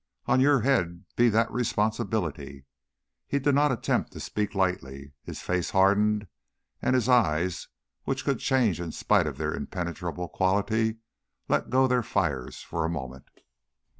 On your head be that responsibility." He did not attempt to speak lightly. His face hardened, and his eyes, which could change in spite of their impenetrable quality, let go their fires for a moment.